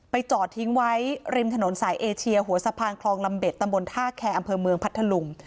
จอดทิ้งไว้ริมถนนสายเอเชียหัวสะพานคลองลำเบ็ดตำบลท่าแคร์อำเภอเมืองพัทธลุง